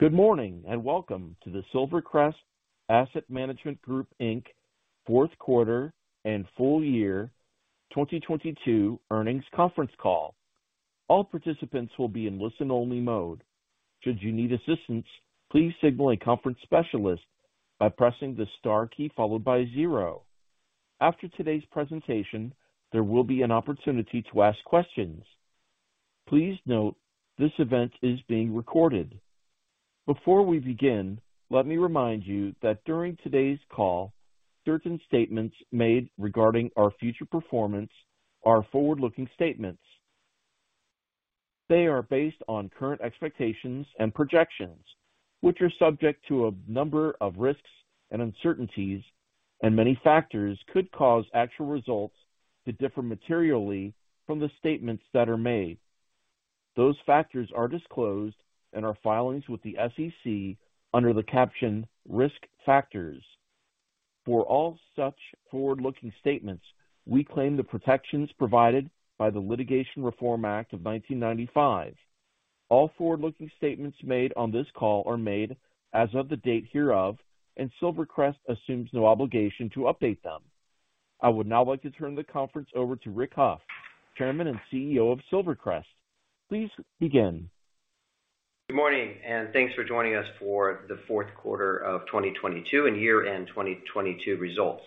Good morning. Welcome to the Silvercrest Asset Management Group Inc. fourth quarter and full year 2022 earnings conference call. All participants will be in listen-only mode. Should you need assistance, please signal a conference specialist by pressing the star key followed by zero. After today's presentation, there will be an opportunity to ask questions. Please note this event is being recorded. Before we begin, let me remind you that during today's call, certain statements made regarding our future performance are forward-looking statements. They are based on current expectations and projections, which are subject to a number of risks and uncertainties. Many factors could cause actual results to differ materially from the statements that are made. Those factors are disclosed in our filings with the SEC under the caption Risk Factors. For all such forward-looking statements, we claim the protections provided by the Litigation Reform Act of 1995. All forward-looking statements made on this call are made as of the date hereof and Silvercrest assumes no obligation to update them. I would now like to turn the conference over to Rick Hough, Chairman and CEO of Silvercrest. Please begin. Good morning, thanks for joining us for the fourth quarter of 2022 and year-end 2022 results.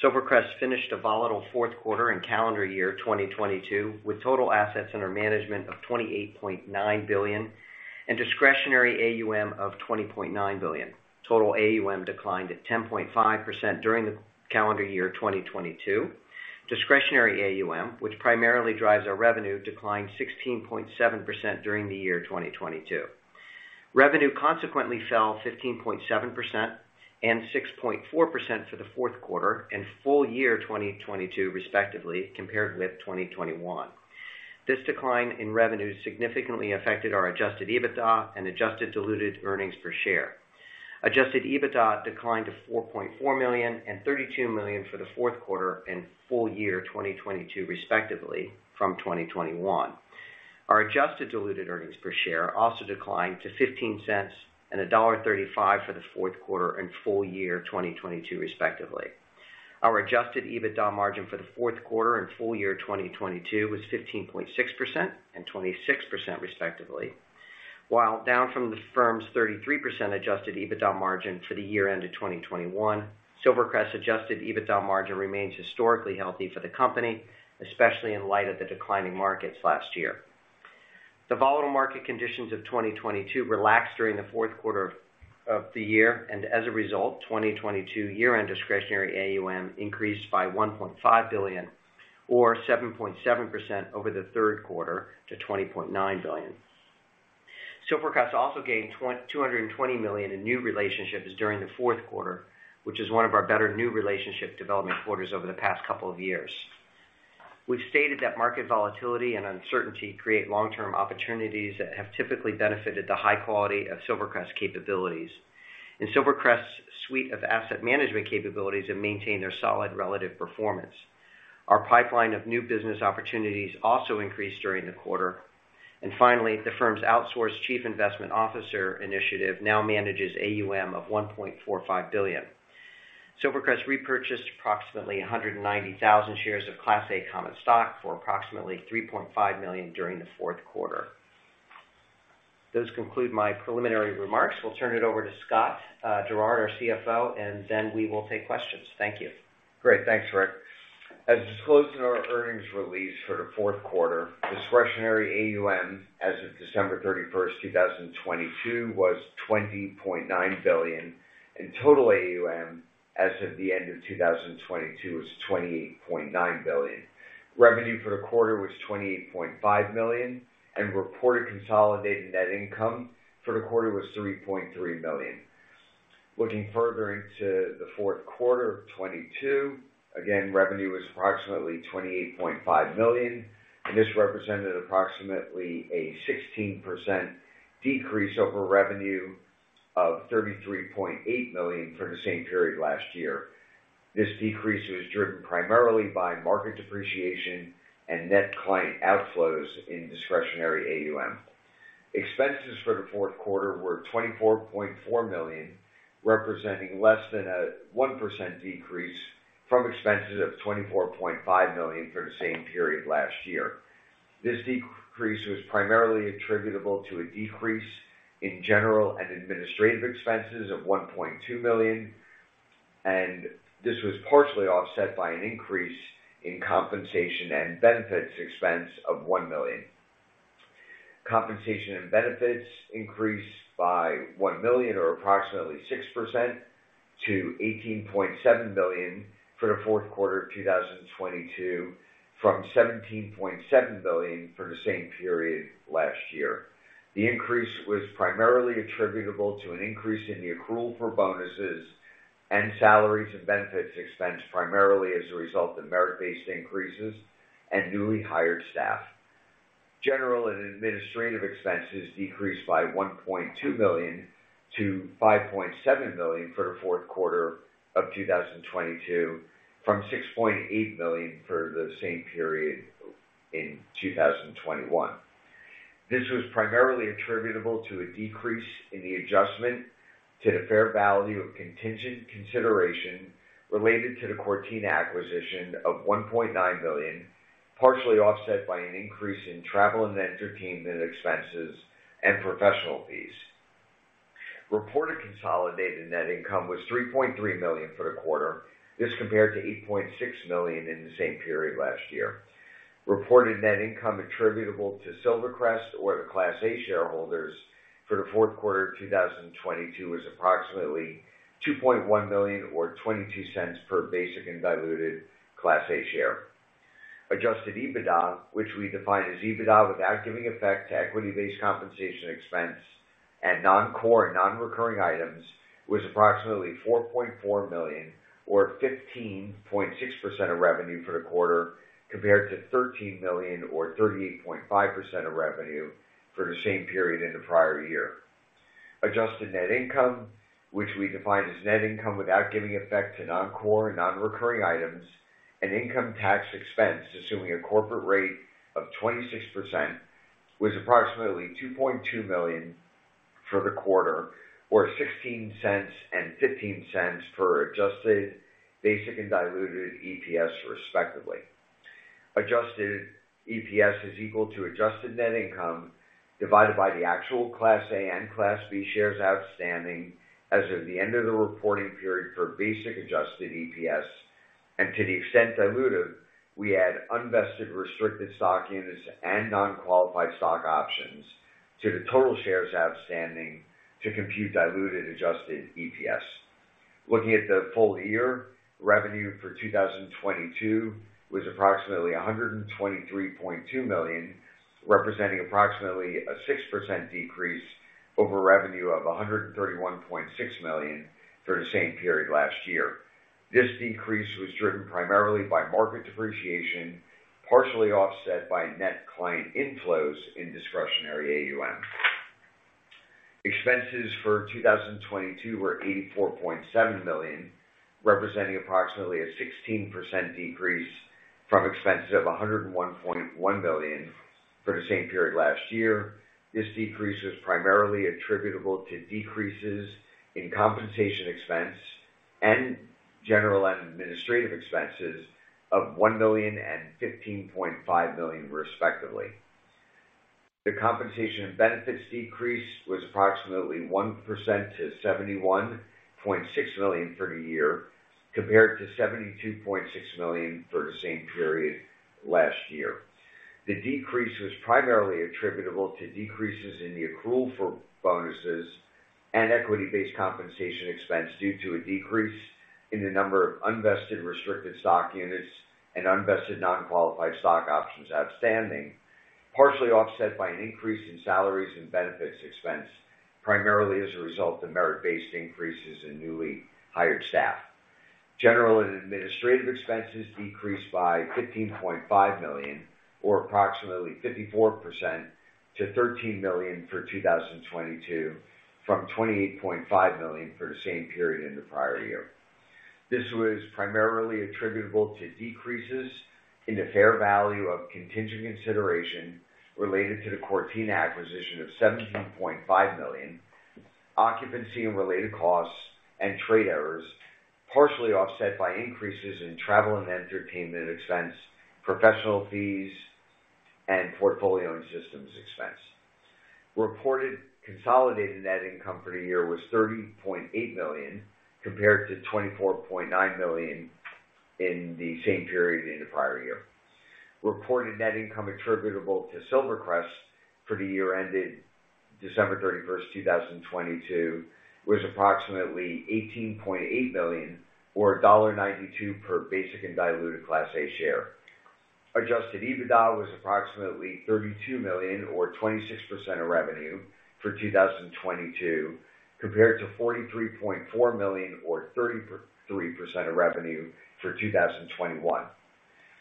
Silvercrest finished a volatile fourth quarter in calendar year 2022, with total assets under management of $28.9 billion and discretionary AUM of $20.9 billion. Total AUM declined at 10.5% during the calendar year 2022. Discretionary AUM, which primarily drives our revenue, declined 16.7% during the year 2022. Revenue consequently fell 15.7% and 6.4% for the fourth quarter and full year 2022 respectively compared with 2021. This decline in revenue significantly affected our adjusted EBITDA and adjusted diluted earnings per share. Adjusted EBITDA declined to $4.4 million and $32 million for the fourth quarter and full year 2022 respectively from 2021. Our adjusted diluted earnings per share also declined to $0.15 and $1.35 for the fourth quarter and full year 2022 respectively. Our adjusted EBITDA margin for the fourth quarter and full year 2022 was 15.6% and 26% respectively. While down from the firm's 33% adjusted EBITDA margin for the year-end of 2021, Silvercrest adjusted EBITDA margin remains historically healthy for the company, especially in light of the declining markets last year. The volatile market conditions of 2022 relaxed during the fourth quarter of the year. As a result, 2022 year-end discretionary AUM increased by $1.5 billion or 7.7% over the third quarter to $20.9 billion. Silvercrest also gained $220 million in new relationships during the fourth quarter, which is one of our better new relationship development quarters over the past couple of years. We've stated that market volatility and uncertainty create long-term opportunities that have typically benefited the high quality of Silvercrest capabilities. Silvercrest's suite of asset management capabilities have maintained their solid relative performance. Our pipeline of new business opportunities also increased during the quarter. Finally, the firm's outsourced chief investment officer initiative now manages AUM of $1.45 billion. Silvercrest repurchased approximately 190,000 shares of Class A common stock for approximately $3.5 million during the fourth quarter. Those conclude my preliminary remarks. We'll turn it over to Scott Gerard, our CFO, and then we will take questions. Thank you. Great. Thanks, Rick. As disclosed in our earnings release for the fourth quarter, discretionary AUM as of December 31st, 2022 was $20.9 billion, and total AUM as of the end of 2022 was $28.9 billion. Revenue for the quarter was $28.5 million, and reported consolidated net income for the quarter was $3.3 million. Looking further into the fourth quarter of 2022, again, revenue was approximately $28.5 million, and this represented approximately a 16% decrease over revenue of $33.8 million for the same period last year. This decrease was driven primarily by market depreciation and net client outflows in discretionary AUM. Expenses for the fourth quarter were $24.4 million, representing less than a 1% decrease from expenses of $24.5 million for the same period last year. This decrease was primarily attributable to a decrease in general and administrative expenses of $1.2 million. This was partially offset by an increase in compensation and benefits expense of $1 million. Compensation and benefits increased by $1 million or approximately 6% to $18.7 billion for the fourth quarter of 2022 from $17.7 billion for the same period last year. The increase was primarily attributable to an increase in the accrual for bonuses and salaries and benefits expense primarily as a result of merit-based increases and newly hired staff. General and administrative expenses decreased by $1.2 million to $5.7 million for the fourth quarter of 2022, from $6.8 million for the same period in 2021. This was primarily attributable to a decrease in the adjustment to the fair value of contingent consideration related to the Cortina acquisition of $1.9 million, partially offset by an increase in travel and entertainment expenses and professional fees. Reported consolidated net income was $3.3 million for the quarter. This compared to $8.6 million in the same period last year. Reported net income attributable to Silvercrest or the Class A shareholders for the fourth quarter of 2022 was approximately $2.1 million or $0.22 per basic and diluted Class A share. Adjusted EBITDA, which we define as EBITDA without giving effect to equity-based compensation expense and non-core and non-recurring items, was approximately $4.4 million or 15.6% of revenue for the quarter, compared to $13 million or 38.5% of revenue for the same period in the prior year. Adjusted net income, which we define as net income without giving effect to non-core and non-recurring items and income tax expense, assuming a corporate rate of 26%, was approximately $2.2 million for the quarter or $0.16 and $0.15 per adjusted basic and diluted EPS, respectively. Adjusted EPS is equal to adjusted net income divided by the actual Class A and Class B shares outstanding as of the end of the reporting period for basic adjusted EPS. To the extent dilutive, we add unvested, restricted stock units and non-qualified stock options to the total shares outstanding to compute diluted adjusted EPS. Looking at the full year, revenue for 2022 was approximately $123.2 million, representing approximately a 6% decrease over revenue of $131.6 million for the same period last year. This decrease was driven primarily by market depreciation, partially offset by net client inflows in discretionary AUM. Expenses for 2022 were $84.7 million, representing approximately a 16% decrease from expenses of $101.1 million for the same period last year. This decrease was primarily attributable to decreases in compensation expense and general administrative expenses of $1 million and $15.5 million, respectively. The compensation and benefits decrease was approximately 1% to $71.6 million for the year, compared to $72.6 million for the same period last year. The decrease was primarily attributable to decreases in the accrual for bonuses and equity-based compensation expense due to a decrease in the number of unvested restricted stock units and unvested non-qualified stock options outstanding, partially offset by an increase in salaries and benefits expense, primarily as a result of merit-based increases in newly hired staff. General and administrative expenses decreased by $15.5 million or approximately 54% to $13 million for 2022, from $28.5 million for the same period in the prior year. This was primarily attributable to decreases in the fair value of contingent consideration related to the Cortina acquisition of $17.5 million, occupancy and related costs and trade errors, partially offset by increases in travel and entertainment expense, professional fees, and portfolio and systems expense. Reported consolidated net income for the year was $30.8 million, compared to $24.9 million in the same period in the prior year. Reported net income attributable to Silvercrest for the year ended December 31st, 2022 was approximately $18.8 million or $1.92 per basic and diluted Class A share. Adjusted EBITDA was approximately $32 million or 26% of revenue for 2022, compared to $43.4 million or 33% of revenue for 2021.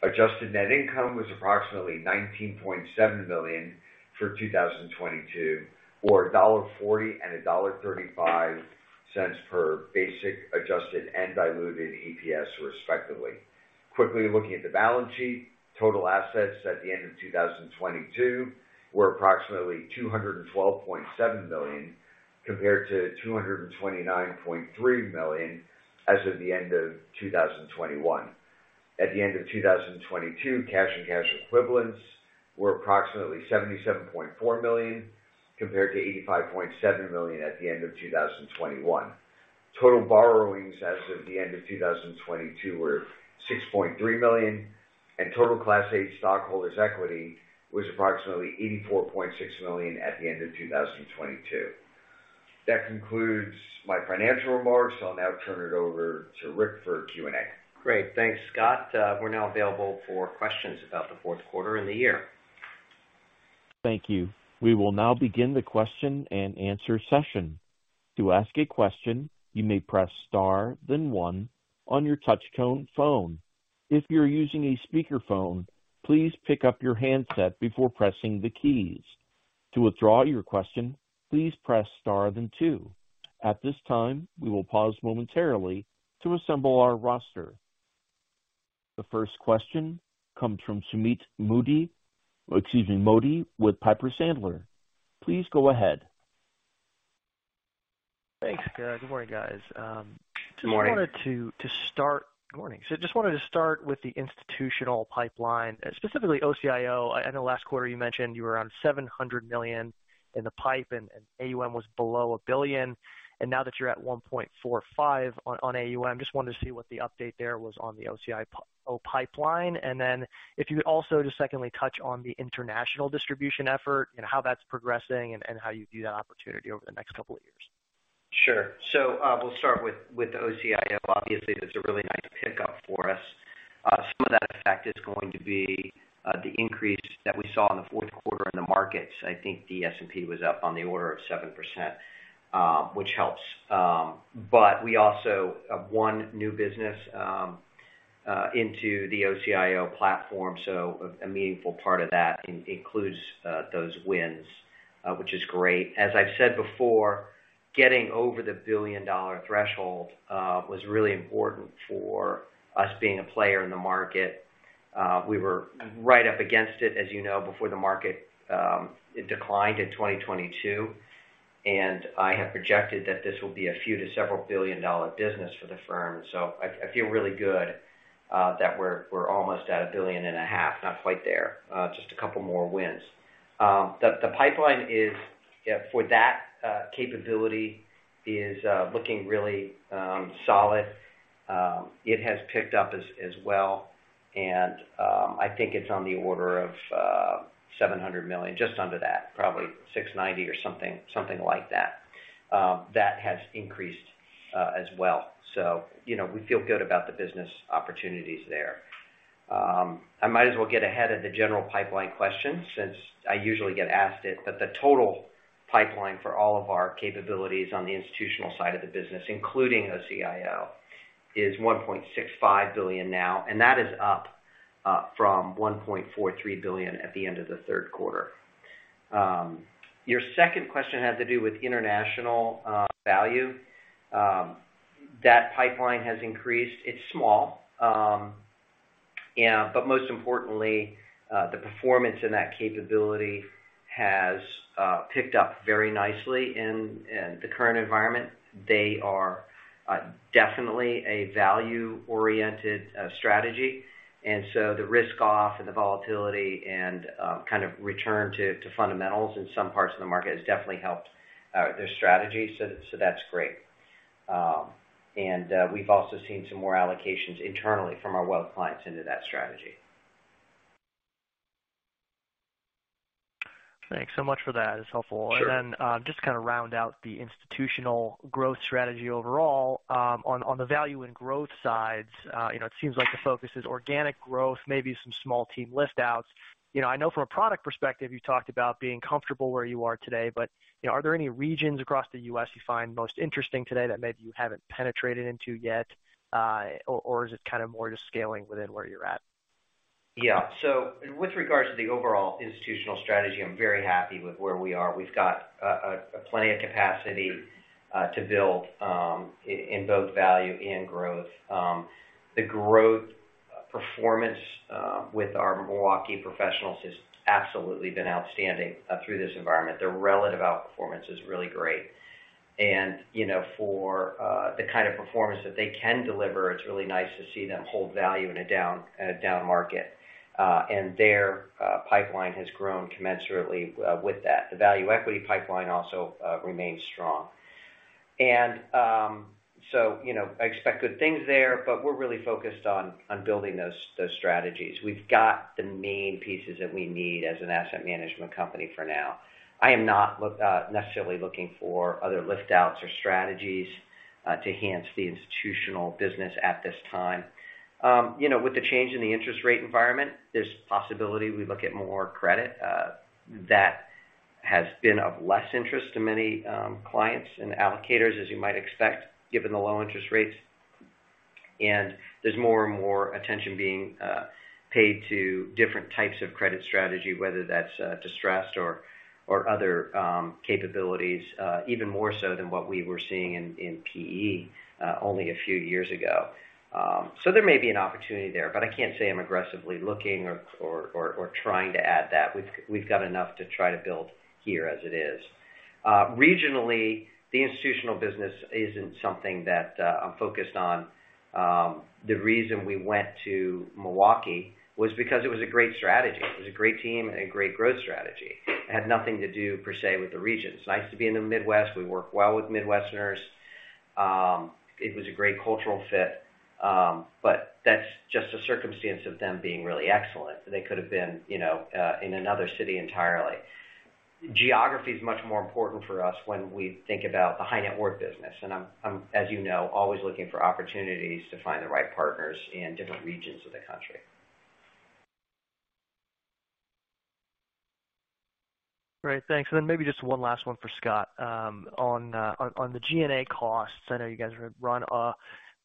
Adjusted net income was approximately $19.7 million for 2022 or $1.40 and $1.35 per basic, adjusted and diluted EPS, respectively. Quickly looking at the balance sheet, total assets at the end of 2022 were approximately $212.7 million, compared to $229.3 million as of the end of 2021. At the end of 2022, cash and cash equivalents were approximately $77.4 million, compared to $85.7 million at the end of 2021. Total borrowings as of the end of 2022 were $6.3 million, and total Class A stockholders' equity was approximately $84.6 million at the end of 2022. That concludes my financial remarks. I'll now turn it over to Rick for Q&A. Great. Thanks, Scott. We're now available for questions about the fourth quarter and the year. Thank you. We will now begin the question and answer session. To ask a question, you may press star, then 1 on your touchtone phone. If you're using a speakerphone, please pick up your handset before pressing the keys. To withdraw your question, please press star then 2. At this time, we will pause momentarily to assemble our roster. The first question comes from Sumeet Mody. Excuse me, Mody, with Piper Sandler. Please go ahead. Thanks, guys. Good morning, guys. Good morning. Just wanted to start. Good morning. Just wanted to start with the institutional pipeline, specifically OCIO. I know last quarter you mentioned you were around $700 million in the pipe and AUM was below $1 billion, and now that you're at $1.45 on AUM, just wanted to see what the update there was on the OCIO pipeline. Then if you could also just secondly touch on the international distribution effort and how that's progressing and how you view that opportunity over the next couple of years. Sure. We'll start with OCIO. Obviously, that's a really nice pickup for us. Some of that effect is going to be the increase that we saw in the fourth quarter in the markets. I think the S&P was up on the order of 7%, which helps. We also have won new business into the OCIO platform, so a meaningful part of that includes those wins, which is great. As I've said before, getting over the billion-dollar threshold was really important for us being a player in the market. We were right up against it, as you know, before the market it declined in 2022, and I have projected that this will be a few to several billion-dollar business for the firm. I feel really good that we're almost at a billion and a half, not quite there. Just a couple more wins. The pipeline is for that capability is looking really solid. It has picked up as well, and I think it's on the order of $700 million, just under that, probably $690 or something like that. That has increased as well. You know, we feel good about the business opportunities there. I might as well get ahead of the general pipeline question since I usually get asked it. The total pipeline for all of our capabilities on the institutional side of the business, including OCIO, is $1.65 billion now, and that is up from $1.43 billion at the end of the third quarter. Your second question had to do with international value. That pipeline has increased. It's small. Most importantly, the performance in that capability has picked up very nicely in the current environment. They are definitely a value-oriented strategy, the risk off and the volatility and kind of return to fundamentals in some parts of the market has definitely helped their strategy. That's great. We've also seen some more allocations internally from our wealth clients into that strategy. Thanks so much for that. It's helpful. Sure. Just to kind of round out the institutional growth strategy overall, on the value and growth sides, you know, it seems like the focus is organic growth, maybe some small team lift-outs. You know, I know from a product perspective, you talked about being comfortable where you are today, but, you know, are there any regions across the U.S. you find most interesting today that maybe you haven't penetrated into yet? Or is it kind of more just scaling within where you're at? Yeah. With regards to the overall institutional strategy, I'm very happy with where we are. We've got a plenty of capacity to build in both value and growth. The growth performance with our Milwaukee professionals has absolutely been outstanding through this environment. Their relative outperformance is really great. You know, for the kind of performance that they can deliver, it's really nice to see them hold value in a down market. Their pipeline has grown commensurately with that. The value equity pipeline also remains strong. You know, I expect good things there, but we're really focused on building those strategies. We've got the main pieces that we need as an asset management company for now. I am not necessarily looking for other lift outs or strategies to enhance the institutional business at this time. You know, with the change in the interest rate environment, there's possibility we look at more credit that has been of less interest to many clients and allocators, as you might expect, given the low interest rates. There's more and more attention being paid to different types of credit strategy, whether that's distressed or other capabilities, even more so than what we were seeing in PE only a few years ago. There may be an opportunity there, but I can't say I'm aggressively looking or trying to add that. We've got enough to try to build here as it is. Regionally, the institutional business isn't something that I'm focused on. The reason we went to Milwaukee was because it was a great strategy. It was a great team and a great growth strategy. It had nothing to do per se with the region. It's nice to be in the Midwest. We work well with Midwesterners. It was a great cultural fit, that's just a circumstance of them being really excellent. They could have been, you know, in another city entirely. Geography is much more important for us when we think about the high net worth business. I'm, as you know, always looking for opportunities to find the right partners in different regions of the country. Great. Thanks. Maybe just one last one for Scott on the G&A costs. I know you guys have run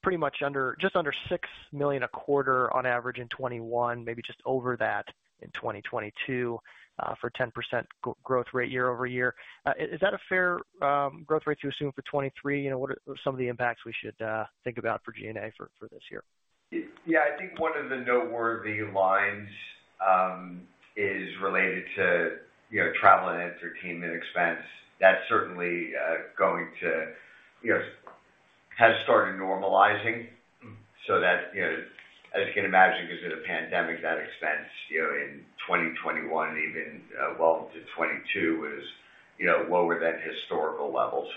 pretty much under just under $6 million a quarter on average in 2021, maybe just over that in 2022 for 10% growth rate year-over-year. Is that a fair growth rate to assume for 2023? You know, what are some of the impacts we should think about for G&A for this year? Yeah, I think one of the noteworthy lines, is related to, you know, travel and entertainment expense. That's certainly, going to, you know, has started normalizing so that, you know, as you can imagine, because of the pandemic, that expense, you know, in 2021 and even, well into 2022, was, you know, lower than historical levels.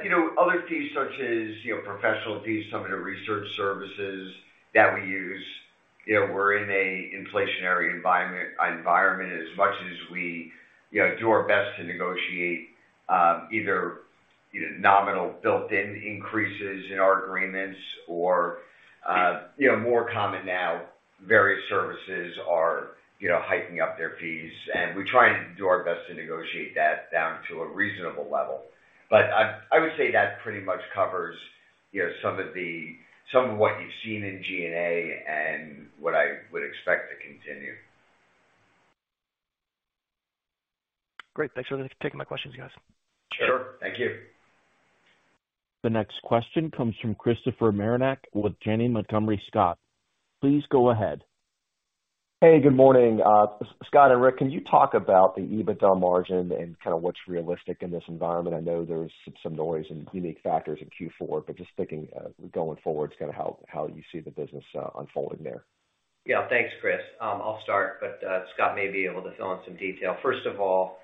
You know, other fees such as, you know, professional fees, some of the research services that we use, you know, we're in a inflationary environment. As much as we, you know, do our best to negotiate, either, you know, nominal built-in increases in our agreements or, you know, more common now, various services are, you know, hiking up their fees, and we try and do our best to negotiate that down to a reasonable level. I would say that pretty much covers, you know, some of what you've seen in G&A and what I would expect to continue. Great. Thanks for taking my questions, guys. Sure. Thank you. The next question comes from Christopher Marinac with Janney Montgomery Scott. Please go ahead. Hey, good morning. Scott and Rick, can you talk about the EBITDA margin and kind of what's realistic in this environment? I know there's some noise and unique factors in Q4, just thinking going forward, kind of how you see the business unfolding there. Yeah. Thanks, Chris. I'll start, but Scott may be able to fill in some detail. First of all,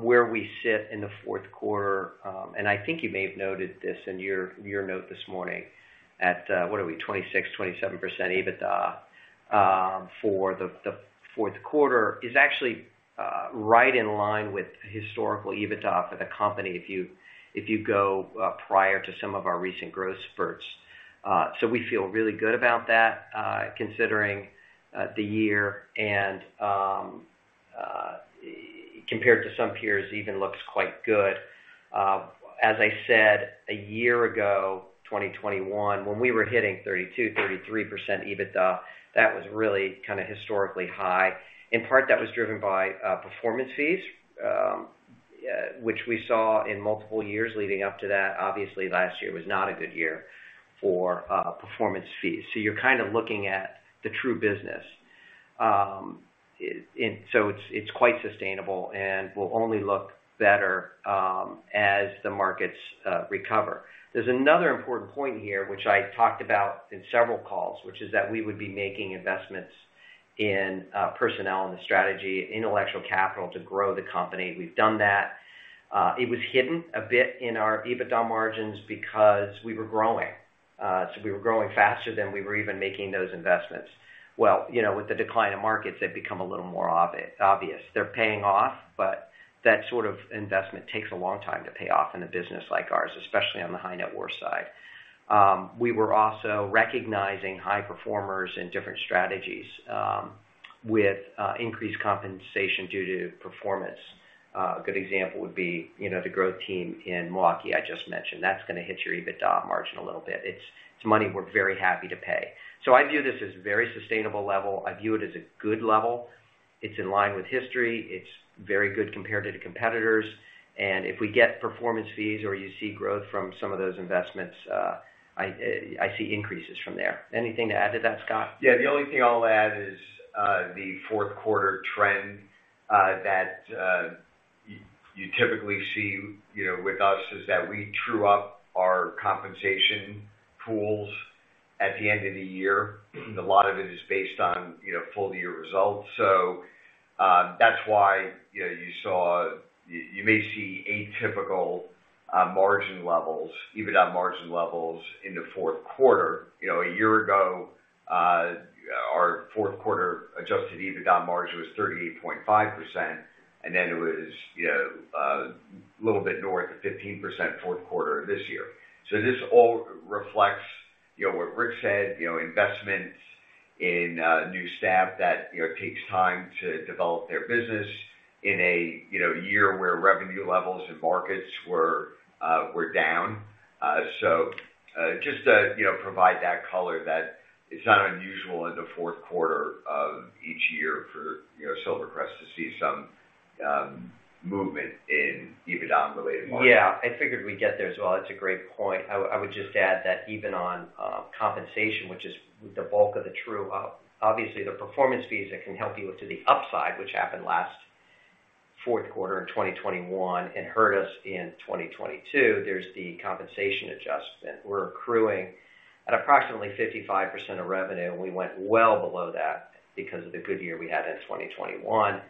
where we sit in the fourth quarter, I think you may have noted this in your note this morning at what are we? 26%-27% EBITDA for the fourth quarter is actually right in line with historical EBITDA for the company if you go prior to some of our recent growth spurts. We feel really good about that, considering the year and compared to some peers, even looks quite good. As I said, a year ago, 2021, when we were hitting 32%-33% EBITDA, that was really kind of historically high. In part, that was driven by performance fees, which we saw in multiple years leading up to that. Obviously, last year was not a good year for performance fees. You're kind of looking at the true business. It's quite sustainable and will only look better as the markets recover. There's another important point here, which I talked about in several calls, which is that we would be making investments in personnel and the strategy, intellectual capital to grow the company. We've done that. It was hidden a bit in our EBITDA margins because we were growing. We were growing faster than we were even making those investments. Well, you know, with the decline in markets, they've become a little more obvious. They're paying off, that sort of investment takes a long time to pay off in a business like ours, especially on the high net worth side. We were also recognizing high performers in different strategies, with increased compensation due to performance. A good example would be the growth team in Milwaukee I just mentioned. That's gonna hit your EBITDA margin a little bit. It's money we're very happy to pay. I view this as a very sustainable level. I view it as a good level. It's in line with history. It's very good compared to the competitors. If we get performance fees or you see growth from some of those investments, I see increases from there. Anything to add to that, Scott? The only thing I'll add is the fourth quarter trend that you typically see, you know, with us is that we true up our compensation pools at the end of the year. A lot of it is based on, you know, full year results. That's why, you know, you may see atypical margin levels, EBITDA margin levels in the fourth quarter. You know, a year ago, our fourth quarter adjusted EBITDA margin was 38.5%, it was, you know, little bit north of 15% fourth quarter this year. This all reflects, you know, what Rick said, you know, investments in new staff that, you know, takes time to develop their business in a, you know, year where revenue levels and markets were down. Just to, you know, provide that color that it's not unusual in the fourth quarter of each year for, you know, Silvercrest to see some movement in EBITDA related markets. Yeah, I figured we'd get there as well. That's a great point. I would just add that even on compensation, which is the bulk of the obviously the performance fees that can help you to the upside, which happened last fourth quarter in 2021 and hurt us in 2022. There's the compensation adjustment. We're accruing at approximately 55% of revenue, and we went well below that because of the good year we had in 2021.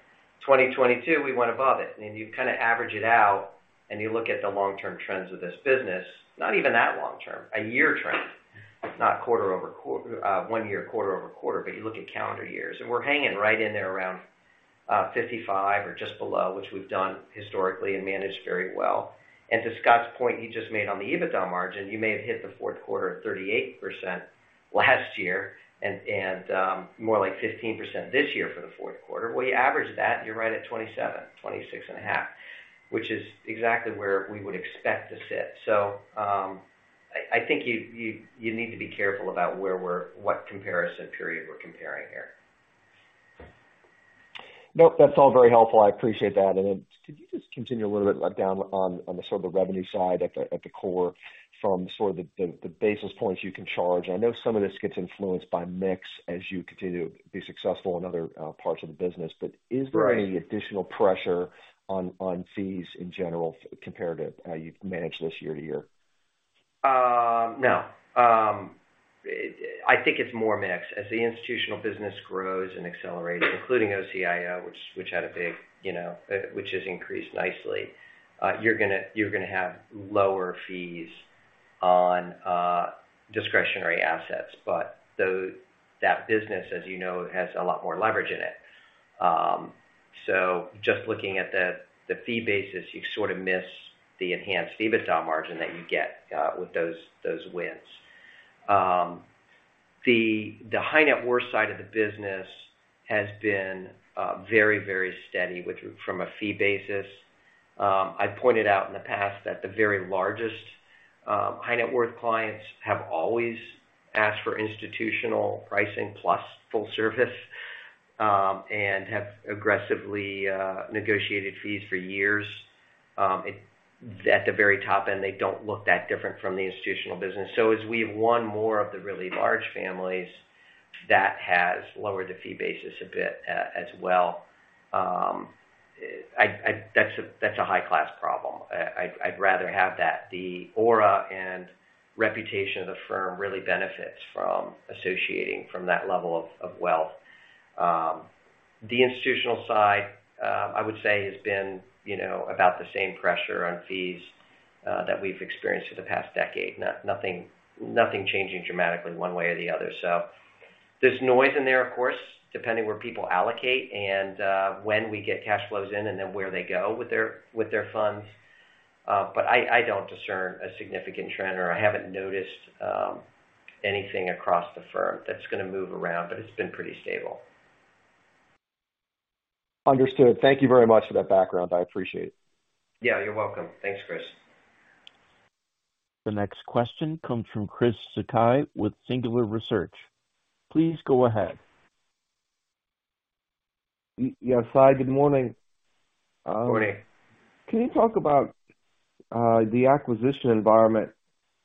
2022, we went above it. You kind of average it out and you look at the long-term trends of this business, not even that long-term, a year trend, not one year, quarter-over-quarter, but you look at calendar years, and we're hanging right in there around 55 or just below, which we've done historically and managed very well. To Scott's point you just made on the EBITDA margin, you may have hit the fourth quarter at 38% last year and more like 15% this year for the fourth quarter. Well, you average that, and you're right at 27%, 26.5%. Which is exactly where we would expect to sit. I think you need to be careful about where we're what comparison period we're comparing here. Nope, that's all very helpful. I appreciate that. Then could you just continue a little bit down on the sort of the revenue side at the core from sort of the basis points you can charge? I know some of this gets influenced by mix as you continue to be successful in other parts of the business. Right. Is there any additional pressure on fees in general compared to how you've managed this year to year? No. I think it's more mix. As the institutional business grows and accelerates, including OCIO, which had a big, you know, which has increased nicely, you're gonna have lower fees on discretionary assets. That business, as you know, has a lot more leverage in it. Just looking at the fee basis, you sort of miss the enhanced EBITDA margin that you get with those wins. The high net worth side of the business has been very steady with from a fee basis. I pointed out in the past that the very largest high net worth clients have always asked for institutional pricing plus full service and have aggressively negotiated fees for years. At the very top end, they don't look that different from the institutional business. As we've won more of the really large families, that has lowered the fee basis a bit, as well. That's a, that's a high-class problem. I'd rather have that. The aura and reputation of the firm really benefits from associating from that level of wealth. The institutional side, I would say has been, you know, about the same pressure on fees that we've experienced for the past decade. Nothing changing dramatically one way or the other. There's noise in there, of course, depending where people allocate and when we get cash flows in and then where they go with their funds. I don't discern a significant trend, or I haven't noticed anything across the firm that's gonna move around, but it's been pretty stable. Understood. Thank you very much for that background. I appreciate it. Yeah, you're welcome. Thanks, Chris. The next question comes from Chris Sakai with Singular Research. Please go ahead. Yes. Hi, good morning. Morning. Can you talk about the acquisition environment?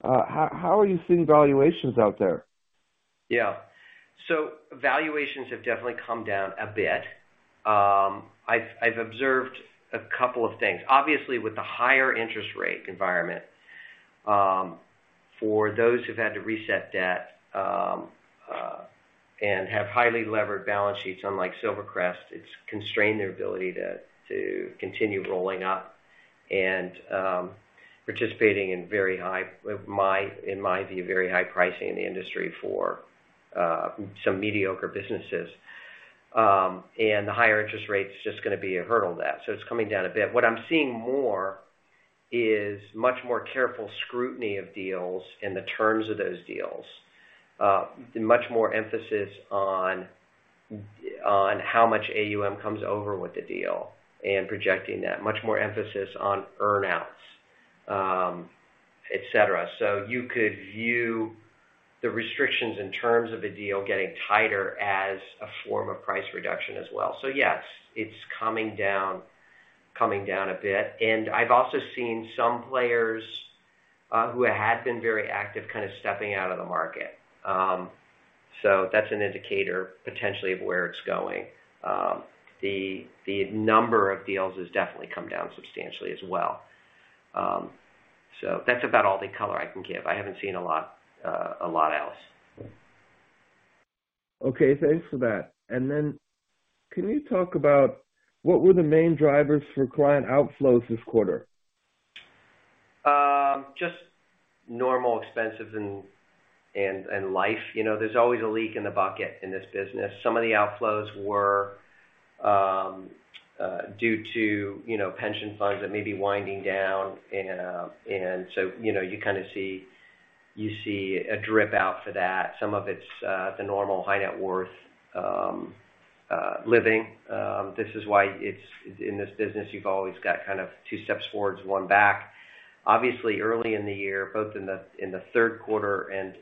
How are you seeing valuations out there? Valuations have definitely come down a bit. I've observed a couple of things. Obviously, with the higher interest rate environment, for those who've had to reset debt, and have highly levered balance sheets, unlike Silvercrest, it's constrained their ability to continue rolling up and participating in my view, very high pricing in the industry for some mediocre businesses. The higher interest rate is just gonna be a hurdle to that. It's coming down a bit. What I'm seeing more is much more careful scrutiny of deals and the terms of those deals. Much more emphasis on how much AUM comes over with the deal and projecting that. Much more emphasis on earn outs, et cetera. You could view the restrictions in terms of the deal getting tighter as a form of price reduction as well. Yes, it's coming down, coming down a bit. I've also seen some players who had been very active kind of stepping out of the market. That's an indicator potentially of where it's going. The number of deals has definitely come down substantially as well. That's about all the color I can give. I haven't seen a lot, a lot else. Okay, thanks for that. Can you talk about what were the main drivers for client outflows this quarter? Just normal expenses and life. You know, there's always a leak in the bucket in this business. Some of the outflows were due to, you know, pension funds that may be winding down. You know, you see a drip out for that. Some of it's the normal high net worth living. This is why in this business, you've always got kind of 2 steps forwards, 1 back. Obviously, early in the year, both in the 3rd quarter and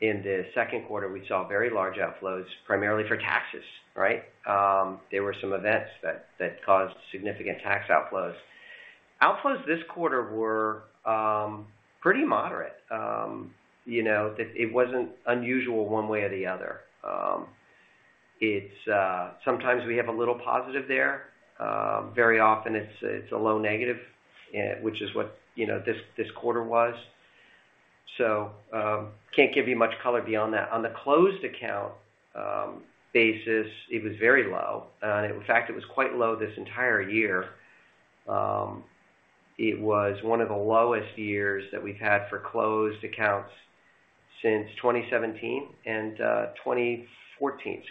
in the 2nd quarter, we saw very large outflows, primarily for taxes, right? There were some events that caused significant tax outflows. Outflows this quarter were pretty moderate. You know, that it wasn't unusual one way or the other. It's... sometimes we have a little positive there. very often it's a low negative, which is what, you know, this quarter was. can't give you much color beyond that. On the closed account basis, it was very low. In fact, it was quite low this entire year. It was one of the lowest years that we've had for closed accounts since 2017 and 2014.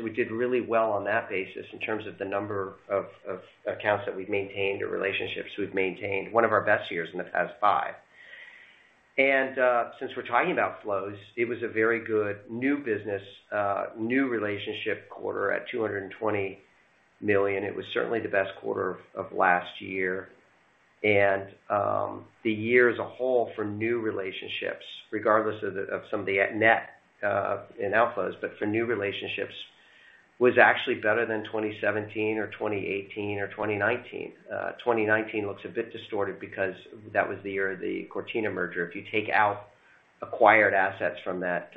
We did really well on that basis in terms of the number of accounts that we've maintained or relationships we've maintained, one of our best years in the past 5. Since we're talking about flows, it was a very good new business, new relationship quarter at $220 million. It was certainly the best quarter of last year. The year as a whole for new relationships, regardless of the net in outflows, but for new relationships, was actually better than 2017 or 2018 or 2019. 2019 looks a bit distorted because that was the year of the Cortina merger. If you take out acquired assets from that,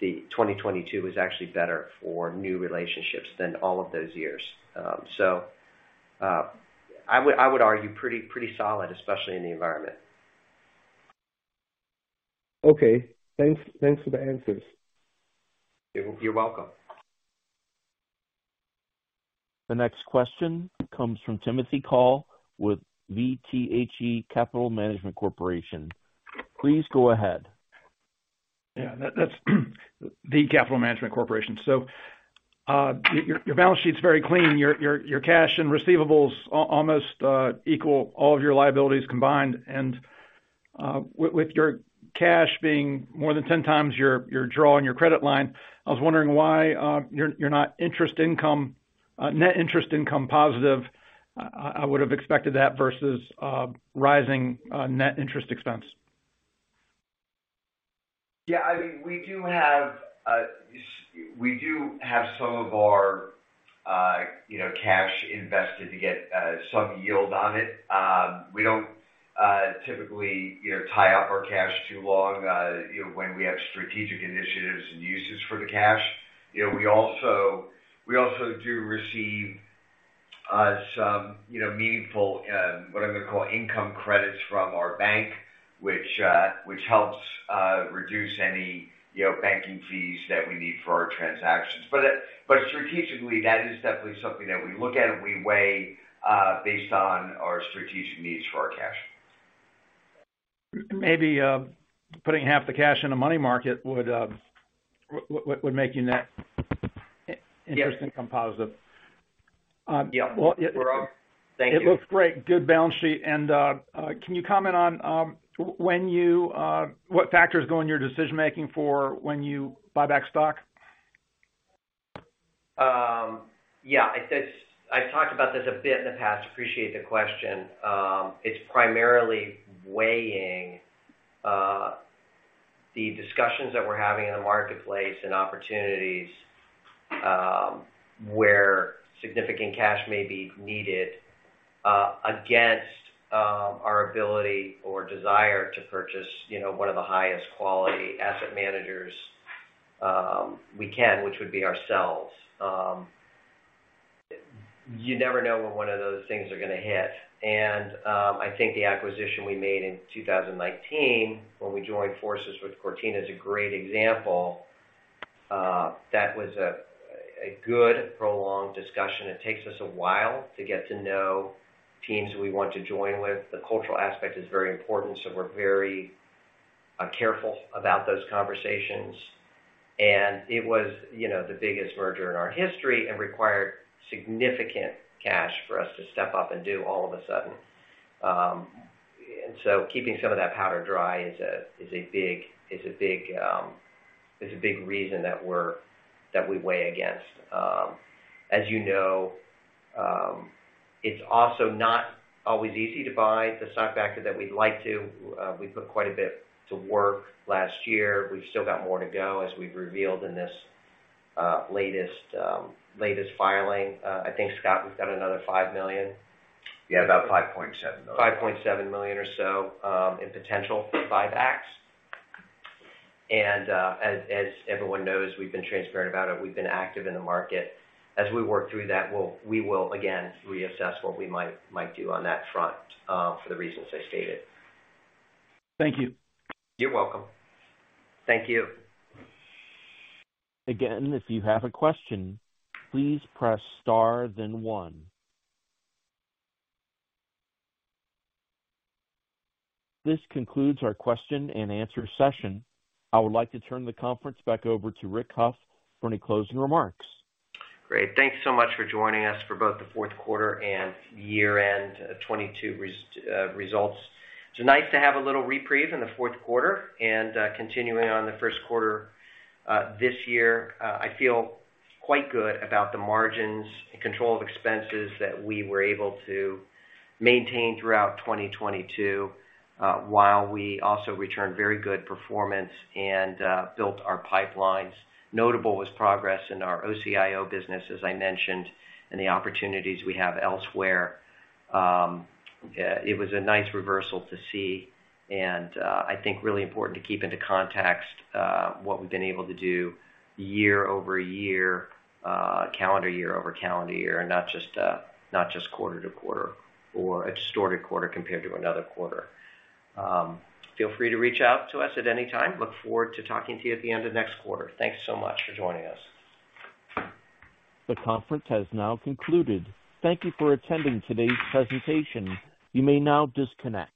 the 2022 is actually better for new relationships than all of those years. I would argue pretty solid, especially in the environment. Okay. Thanks for the answers. You're welcome. The next question comes from Timothy Call with The Capital Management Corporation. Please go ahead. Yeah, that's The Capital Management Corporation. Your balance sheet's very clean. Your cash and receivables almost equal all of your liabilities combined. With your cash being more than 10 times your draw on your credit line, I was wondering why you're not net interest income positive. I would have expected that versus rising net interest expense. Yeah, I mean, we do have some of our, you know, cash invested to get some yield on it. We don't, typically, you know, tie up our cash too long, you know, when we have strategic initiatives and uses for the cash. You know, we also do receive, some, you know, meaningful, what I'm gonna call income credits from our bank, which helps, reduce any, you know, banking fees that we need for our transactions. Strategically, that is definitely something that we look at and we weigh, based on our strategic needs for our cash. Maybe, putting half the cash in a money market would make your net interest income positive. Yeah. Well- Thank you. It looks great. Good balance sheet. Can you comment on when you what factors go in your decision-making for when you buy back stock? Yeah, I've talked about this a bit in the past. Appreciate the question. It's primarily weighing the discussions that we're having in the marketplace and opportunities, where significant cash may be needed, against our ability or desire to purchase, you know, one of the highest quality asset managers, we can, which would be ourselves. You never know when one of those things are gonna hit. I think the acquisition we made in 2019 when we joined forces with Cortina is a great example. That was a good prolonged discussion. It takes us a while to get to know teams we want to join with. The cultural aspect is very important, so we're very careful about those conversations. It was, you know, the biggest merger in our history and required significant cash for us to step up and do all of a sudden. Keeping some of that powder dry is a big reason that we weigh against. As you know, it's also not always easy to buy the stock back that we'd like to. We put quite a bit to work last year. We've still got more to go, as we've revealed in this latest filing. I think, Scott, we've got another $5 million. Yeah, about $5.7 million. $5.7 million or so in potential buybacks. As everyone knows, we've been transparent about it. We've been active in the market. As we work through that, we will again reassess what we might do on that front for the reasons I stated. Thank you. You're welcome. Thank you. Again, if you have a question, please press star then one. This concludes our question and answer session. I would like to turn the conference back over to Richard Hough for any closing remarks. Great. Thanks so much for joining us for both the fourth quarter and year-end 22 results. It's nice to have a little reprieve in the fourth quarter and continuing on the first quarter this year. I feel quite good about the margins and control of expenses that we were able to maintain throughout 2022, while we also returned very good performance and built our pipelines. Notable was progress in our OCIO business, as I mentioned, and the opportunities we have elsewhere. It was a nice reversal to see and I think really important to keep into context what we've been able to do year-over-year, calendar year-over-calendar year, and not just quarter-to-quarter or a distorted quarter compared to another quarter. Feel free to reach out to us at any time. Look forward to talking to you at the end of next quarter. Thanks so much for joining us. The conference has now concluded. Thank you for attending today's presentation. You may now disconnect.